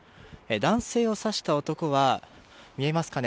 男性を刺した男は見えますかね